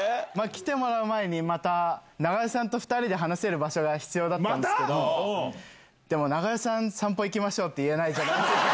来てもらう前にまた、長与さんと２人で話せる場所が必要だったんですけど、でも長与さん、散歩行きましょうって言えないじゃないですか。